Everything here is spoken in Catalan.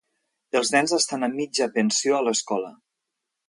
Els nens estan a mitja pensió a l'escola.